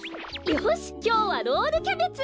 よしきょうはロールキャベツ！